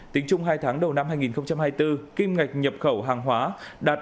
tính chung hai tháng đầu năm hai nghìn hai mươi bốn kim ngạch nhập khẩu hàng hóa đạt năm mươi bốn bốn